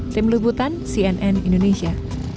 tim leputan cnn indonesia